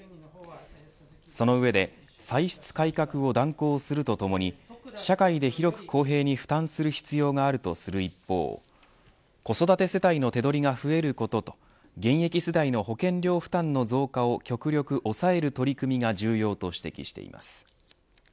そのうえで、歳出改革を断行するとともに社会で広く公平に負担する必要があるとする一方子育て世帯の手取りが増えることと現役世代の保険料負担の増加を極力抑える取り組みが重要と指摘しています。